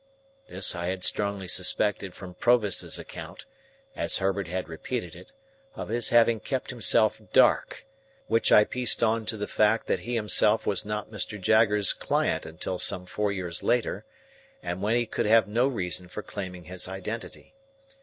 This I had strongly suspected from Provis's account (as Herbert had repeated it) of his having kept himself dark; which I pieced on to the fact that he himself was not Mr. Jaggers's client until some four years later, and when he could have no reason for claiming his identity.